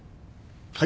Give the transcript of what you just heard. はい。